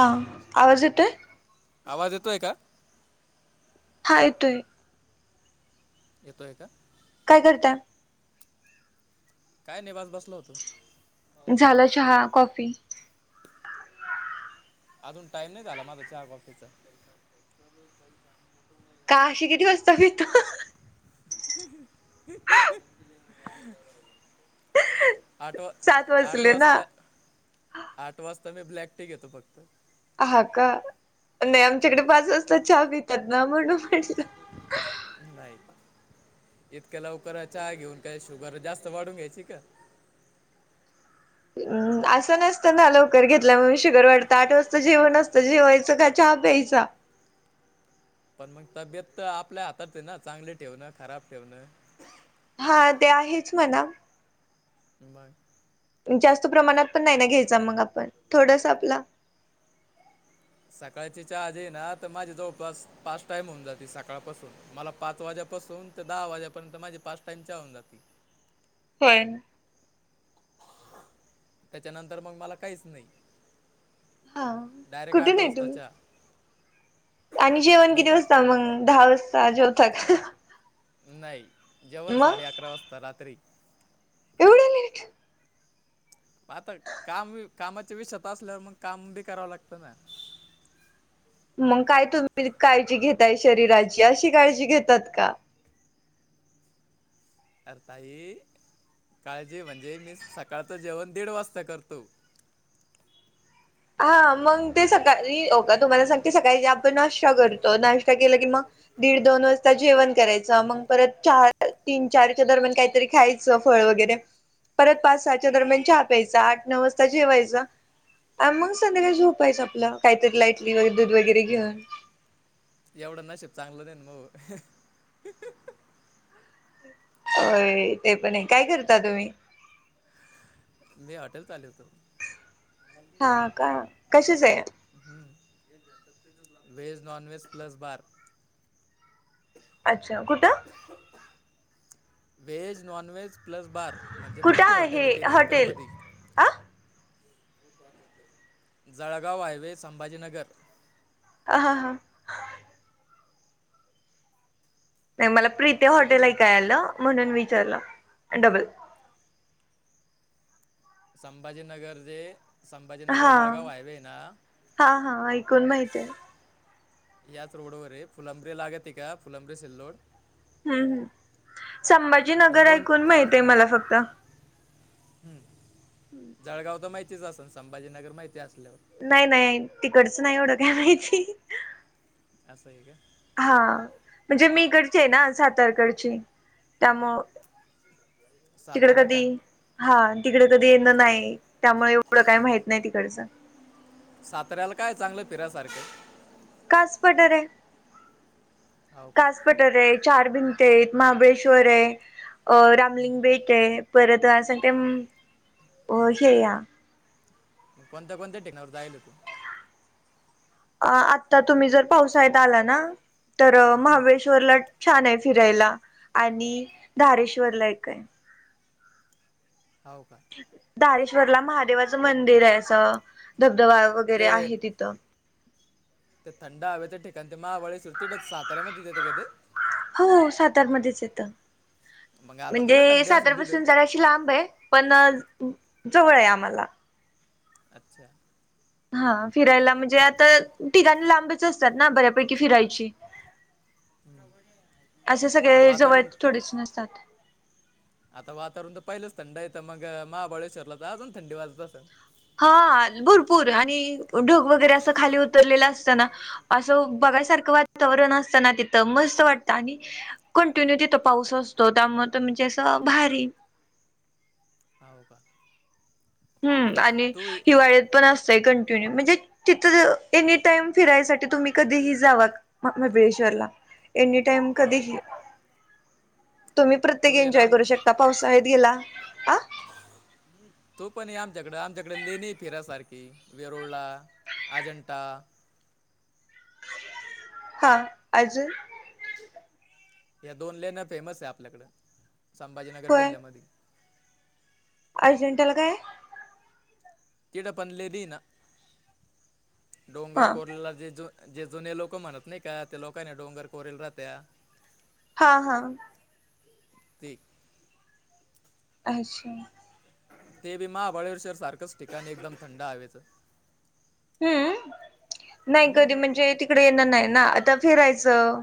ह आवाजेत आवाज येतोय का हायेतोय यतो ए का काय करताय काय निवास बसलो होतो. झालं चहा, कॉफी अजून टाइम नाही झाला माझा चहा कॉफीचा. का अशी किती वाजता पितो? [inaudible] [unintelligible] आठ वा सात आठ वाजले ना वाजता आठ वाजता मी ब्लॅक टी घेतो फक्त. हा का नाही आमच्याकडे पाच वाजता चहा पितात ना म्हणून म्हटलं. नाही इतक्या लवकराय च घेऊन काय शुगर जास्त वाढून घ्यायची का? म असं नसतं ना लवकर घेतल्या म्ह शुगर वाटतं आठ वाजता जेव नसतं जेवायचं खय चहा प्यायचा. पण मग तब्येत तर आपल्या हातात ना चांगले ठेवणं खराब ठेवणं. हा ते आहेच म्हणा. मग, जास्त प्रमाणात पण नाही ना घ्यायचा मग आपण थोडस आपला. सकाळची चहा आज येई ना तर माझी जवळपास पाच टाईम होऊन जाते. सकाळपासून मला पाच वाज्यापासून. दहा वाजेपयंत माझी पाच टाइम होन जाते. होय. त्याच्यानंतर मग मला काहीच नाही. हा डायरेक्ट आठ कुठून आहे वाचता तुम्ही चहा. आणि जेवण मी किती का वाजता मग दहा वाजता जेवथका? नाही जेवण साडे अकरा वाजता रात्री. एवढं लेट आता काम कामाच्या विषता असल्यावर मग काम बी करावं लागतं ना! मग काय तुम्ही काळजी घेताय शरीराची अशी काळजी घेतात का? अरे ताई काळजी म्हणजे मी सकाळचं जेवण दीड वाजता करतो. हा मग ते सकाळी का तुम्हाला सांगते सकाळी आपण अशा करू [unintelligible] नाश्ता केला की मग दीड दोन वाजता जेवण करायच मग परत चार तीन चारच्या दरम्यान काहीतरी खायच. फळ वगैरे परत पाच सहाच्या दरम्यान चहा प्यायचं आठ नऊ वाजता जेवायच. अ मग संध्याकाळी झोपायचं आपलं काहीतरी लाईटली दूध वगैरे घेऊन. एवढं नसीब चांगलं नाही मग, अ ते पण काय करता तुम्ही? मी हॉटेल चालवितो. हा का कशीच आहे. ह् veg non- veg plus bar अच्छा कुठं, veg non - veg plus bar म्हणजे, कुठं मोठी हॉटेल आहे तीन एकर हॉटेल मध्ये. आ जळगाव हायवे संभाजीनगर, आ हां हां नाही मला प्रीत तू हॉटेल कुठून ऐकाय आलं म्हणून विचारलं डबल. संभाजीनगर जे संभाजीनगर हा जळगाव हायवे ना! हा हा ऐकून माहितय. याच रोड वरे फुलंब्रीे लागत आहे का फुलंब्रीे सिल्लोड. हम् ह या संभाजीनगर ऐकून माहितय मला फक्त. हम्म, जळगाव तर माहितीच असेल संभाजीनगर माहिती असल्यावर. नाही नाही तिकडच नाही एवढं काय माहिती. असं आहे का? हा म्हणजे मीकडचे आहे ना सातारकडचे त्यामु सातारा का! हा तिकडे कधी येणं नाही त्यामुळे एवढं काही माहित नाही तिकडचं. सातऱ्याला काय चांगलं फिऱ्यासारखं? कास पठार आहे, हो का कास पठार! रआहे चार भिंत आहेत महाबळेश्वर आहे अ रामलिंग बेक आहे. परत अस सं ते हे आहे. कोणता कोणत्या ठिकाणावर जायल तू? अ आता तुम्ही जर पावसाळ्यात आला ना तर हम्म, महाबळेश्वरला छान आहे फिरायला आणि धारेश्वर ला एक आहे. हाव का! तारेश्वरला महादेवाचं मंदिर आहे असं धबधबा वगैरे ते आहे तिथं ते थंड हवेच ठिकाण ते महाबळेश्वर तिकडच सातऱ्यामध्ये येते का ते? हो सातारमध्येच येतं. मग आता तुला म्हणजे थंडी असेल तिथं सातारपासून जराशी लांब आहे पण जवळ आहे आम्हाला. अच्छा! हा फिरायला म्हणजे आता ठिकाणी लांबच असतात ना बऱ्या पैकी फिरायची असे आता सगळे जवळ वातावरण थोडीच नसतात. आता वातावरण तर पहिलंच थंड आहेेतं मग महाबळेश्वरला तर अजून थंडी वाजत असंन? हा भरपूर आणि ढग वगैरे असं खाली उतरलेला असत ना असं बघायसारखं वातावरण असताना तिथं मस्त वाटत आणि कंटिन्यू तिथं पाऊस असतो त्यामुळे म्हणजे असं भारी हाव का! हम्म आणि तू हिवाळ्यात पण असतय कंटिन्यू म्हणजे तिथं एनी टाईम फिरायसाठी तुम्ही कधीही जावा मबळेश्वरला एनी टाईम कधी हो ही का तुम्ही प्रत्येक तो ये ना एन्जॉय आम करू शकता. पावसाळ्यात गेला [inaudible] तू पण ये आमच्याकडे आमच्याकडे लेणी आहे फिराय सारखी वेरूळा, अजिंठा हा अजून? या दोन लेण्या फेमस आहे आपल्याकडं संभाजीनगर जिल्ह्यामधी. अजिंठ्याला काय? तिकड पण लेणी आहे ना डोंगर हा कोरलेला जे जो जे जुने लोक म्हणत नाही का त्या लोकांनी डोंगर कोरला राहत्या हा हा! ते अच्छा! ते बी महाबळेश्वर सारखंच ठिकाण एकदम थंड हवेचं. हम्म नाही कधी म्हणजे ती कडे येन नाही ना आता फिरायचं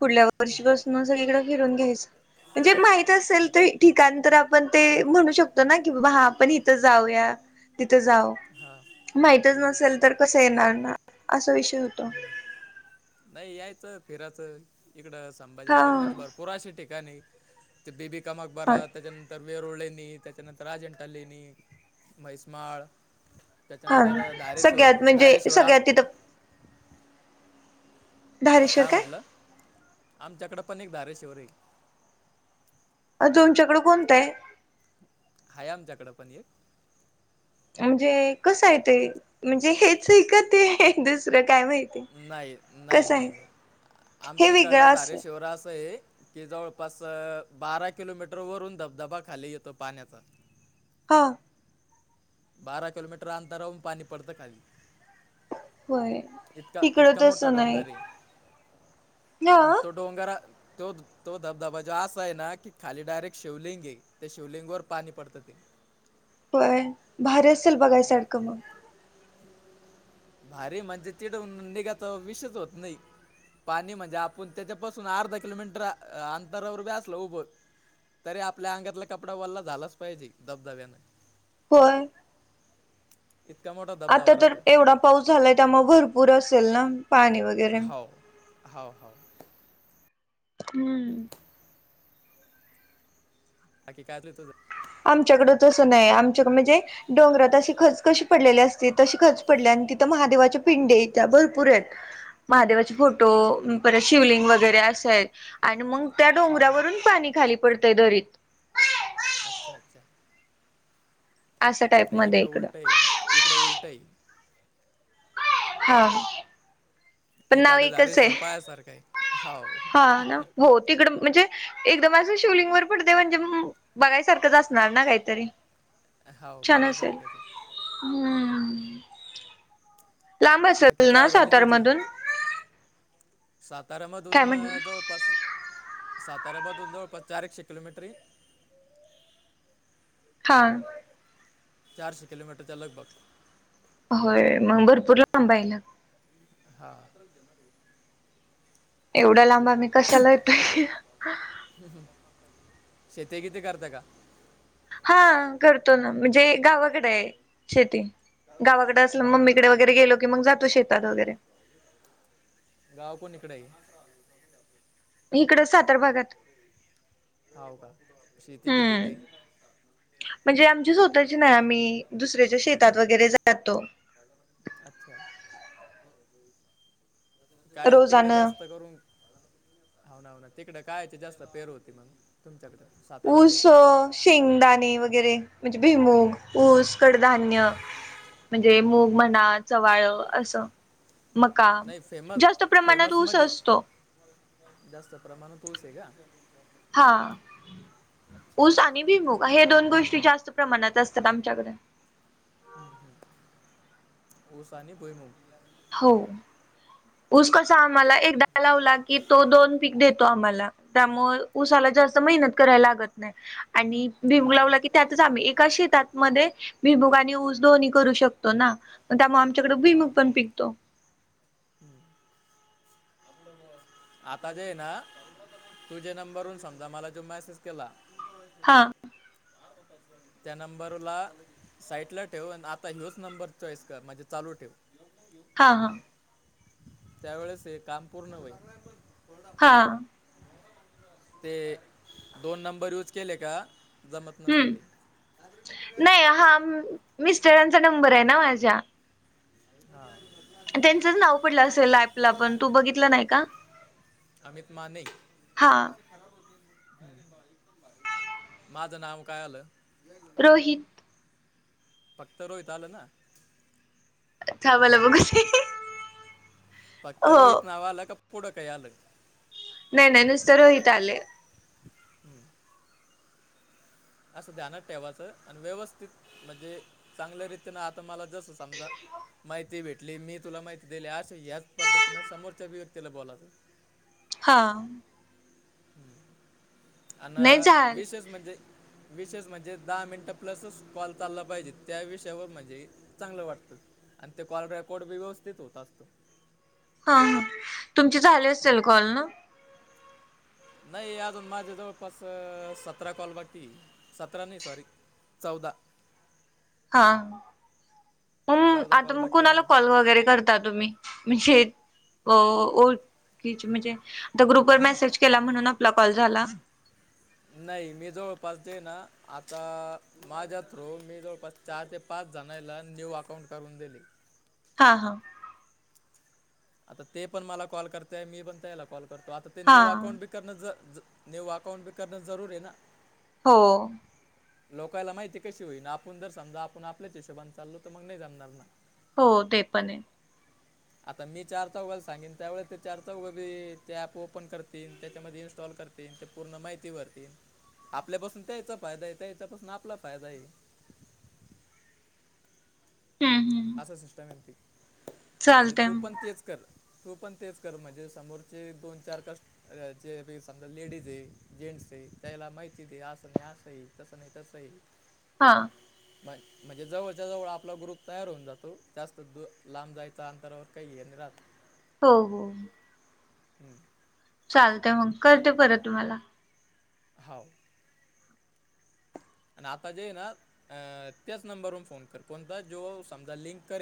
पुढल्या वर्षीपासून सगळीकडे फिरून घ्यायचं. म्हणजे माहित असेल तर ठिकाण तर आपण ते म्हणू शकतो ना की बाबा हा आपण इथं जाऊया! तिथं जाव हां माहितच नसेल तर कसं येणार ना असा विषय हो नाही यायचं फिराचं! इकडं हा संभाजीनगरमध्ये भरपूर असे ठिकाण आहेत बीबी काम हा मकबरा त्याच्यानंतर तर वेरुळलेणी त्याच्यानंतर अजिंठा लेणी म्हैसमाळ हा त्याच्यानंतर धारेश्वर सगळ्यात म्हणजे धारेश्वर आम सगळ्यात तिथं काय म्हणाल? आमच्याकडें पण एक धारेश्वर आहे. आस तुमच्याकडे कोणतं आहे? हाय आमच्याकडं पण एक! म्हणजे कसं आहे ते म्हणजे हेच आहे दुसरं काय माहिती? नाही नाही कसं नाही आहे नाही हे आमच्या इकडल वेगळं असेल झारेश्वर असं आहे कि जवळपास बारा किलोमीटर वरून धबधबा खाली येतो पाण्याचा. हो बारा किलोमीटर अंतरावरून पाणी पडत खाली. होय इतका इकडं इतका मोठा तसं नाही डोंगर आहे. हा आणि तो डोंगर तो तो धबधबा जो असा आहे ना, की खाली डायरेक्ट शिवलिंग आहे. ते शिवलिंग वर पाणी पडत ते. होय भारी असेल बघायसारखं मग. भारी म्हणजे, तिडून निघायच विषयच होत नाही. पाणी म्हणजे आपण त्याच्यापासून अर्धा किलोमीटर अंतरावर आसलो उभं तरी आपल्या अंगातला कपडा वल्ला झालाच पाहिजे धबधब्यान. होय. इतका मोठा आता धबधबा तर राहतो. एवढा पाऊस झालाय त्यामुळे भरपूर असेल ना पाणी वगैरे. हाव हाव. हम्म बाकी काय तुझं आमच्याकडं तसं नाही. आमच्याकड म्हणजे डोंगरात अशी खच कशी पडलेली असते, तशी खच पडलीय. आणि तिथे महादेवाचे पिंडे आहेत त्या. भरपूर आहेत. महादेवाचे फोटो परत शिवलिंग हम्म, वगैरे असेय. आणि मग त्या हो का डोंगरावरून पाणी खाली पडतंय दरीत. अच्छा अच्छा असा टाईप मध्ये इकडं उलट आहे. इकड उलट आहे. हा पण नाव इकड एकच धारेश्वर आहे पाह्य सारखं आहे. हाव. तिकडं म्हणजे एकदम असं शिवलिंग वर पडते म्हणजे, बघायसारखंच असणार ना काहीतरी. हाव छान असेल बघायसारखंच आहे हम्म लांब बाकी असेल ना चहा झाली तुझी सातारमधून. काय साताऱ्यामधून म्हण जवळपास साताऱ्यामधून जवळपास चारएकशे किलोमीटर येईल. हा चारशे किलोमीटरच्या लगभग होय मग भरपूर लांब आहे ना. हा एवढ्या लांब आम्ही कशाला येतोय. ह् ह शेती किती करता का? हा करतो ना. म्हणजे गावाकडे आहे शेती. गावाकडें असलं हाव का मम्मीकडे वगैरे गेलो की मग जातो शेतात वगैरे. गाव कोणीकड आहे. इकड सातार भागात. हाव का. शेती कितीक हम्म आहे. म्हणजे आमच्या स्वतःची नाही. आम्ही दुसऱ्याच्या शेतात वगैरे जातो. अच्छा काय तिकडं रोजानं जास्त करून हाव ना हाव ना तिकड कायची जास्त पेर होती मग. तुमच्याकडे सां ऊस, शेंगदाणे वगैरे म्हणजे भुईमुंग, ऊस, कडधान्य म्हणजे मूग म्हणा चवाळ असं मका नाही फेमस जास्त प्रमाणात ऊस फेमसमध्ये असतो. जास्त प्रमाण ऊस आहे का? हा अच्छा ऊस आणि भिईमुंग हे दोन गोष्टी जास्त प्रमाणात असतात आमच्याकडे. ऊस आणि भुईमूग हो ऊस कसा आम्हाला एकदा लावला की तो दोन. पीक देतो आम्हाला त्यामुळे उसाला जास्त मेहनत करा लागत नाही आणि. भिमू हा लावला की त्यातच आम्ही एका शेतातमध्ये भिमूगा आणि ऊस दोन्ही करू शकतो. त्यामुळे आमच्याकडे भुईमग पण पिकतो. हम्. आता जे आहे ना तुझे नंबरन समजा मला जो मेसेज केला. हा. त्या नंबरला साईटला ठेव आता ह्योच नंबर चॉईस कर म्हणजे चालू ठेव. हा हा त्यावेळेस हे काम पूर्ण वय. हा. ते दोन नंबर यूज केले का जमत नसत हम्म ते. तादृची क्रयला. नाही हा मिस्टरांचा नंबर आहे ना माझ्या. हा. त्यांचंच नाव पडलं असेल पला पण तू बघितलं नाही का. अमित मा नाही. हा माझं नाव काय आलं. तोहीित. फक्त रोहितलं ना. बला ब कुसे. फक्त रोहित नाव आलं का पुढं काही आलं. नाही नाही नुसतं रहित आले. असं ध्यानात ठेवायचं आणि व्यवस्थित म्हणजे चांगल्या रीतीन आता मला जसं समजा. माहिती भेटली मी तुला माहिती दिली अशे ह्याच पद्धतीनं समोरच्या अभिव्यक्तीला बोलाच. [unintelligible] [inaudible] हा. अ नाही झाल विशेष म्हणजे. विषयष म्हणजे दहा मिनिटं प्लसच कॉल चालला पाहिजे त्या विषयावर म्हणजे चांगलं वाटतं. आणि ते कॉल रेकॉर्ड बी व्यवस्थित होत असतो. हां हां तुमचे झाले हम्म. असेल कॉल ना. नाही अजून माझे जवळपास सतरा कॉल वाटती सतरा नाही सॉरी. चौदा. हा मग चौदा आता कॉल मग बाकी आहे कुणाला अजून कॉल वगैरे करत. तुम्ही म्हणजे. ओके म्हणजे आता ग्रुपवर मेसेज केला म्हणून आपला कॉल झाला. नाही मी जवळपासते ना आता माझ्या थ्रो मी जवळपासते. चार ते पाच जणांला न्यू अकाऊंट काढून दिले. हा हा. आता ते पण मला कॉल करतेय मी पण त्याला कॉल करतो आता ते हा न्यू अकाउंट बिक. कर ने वकाउंट पे करणे जरूर आहे ना. हो. लोकांला माहिती कशी होईना आपण जर समजा आपण आपल्या हिशोबान चालो तर मग नाही जाणणार ना. हो ते पण. तर मी चारचा उगल सांगेन त्यावेळेस ते चारचा उगली ते ॅप ओपन करतील त्याच्यामध्ये इन्स्टॉल करते. ते पूर्ण माहिती भरतील आपल्यापासून त्याचा फायदा आहे त्याच्यापासून आपला फायदा आहे. हम्म हम्. सम म्हणजे तू पण तेच कर. तू पण तेच कर म्हणजे समोरचे दोन चार कष्ट. अ जे समजा लेडीज आहे जेंट्स आहे त्याला माहिती दे असं नाही असंही तसं नाही तसं आहे. [unintelligible] हा. होय. म्हणजे जवळच्या-जवळ आपला ग्रुप तयार होऊन जातो. जास्त द -लांब जायच्या अंतरावर काही ये राहतो. हो हो. हम्म चालतेय मग, करते आणि- परत तुम्हाला. हाव. आणि आता जे ना,, त्याच नंबरवरून फोन कर. कोणता, जो समजा लिंक करेल